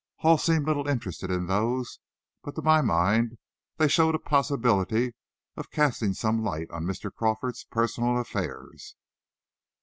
Hall seemed little interested in those, but to my mind they showed a possibility of casting some light on Mr. Crawford's personal affairs.